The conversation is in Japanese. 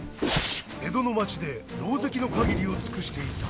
江戸の街でろうぜきの限りを尽くしていた。